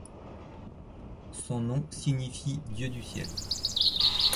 Son nom signifie dieu du ciel.